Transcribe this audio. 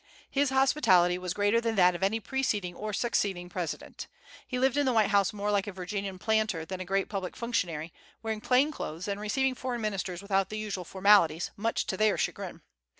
His hospitality was greater than that of any preceding or succeeding president. He lived in the White House more like a Virginian planter than a great public functionary, wearing plain clothes, and receiving foreign ministers without the usual formalities, much to their chagrin.